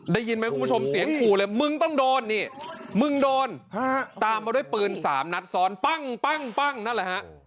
ได้ยินไหมคุณผู้ชมเสียงขู่เลยมึงต้องโดนนี่มึงโดนตามมาด้วยปืน๓นัดซ้อนปั้งนั่นแหละฮะ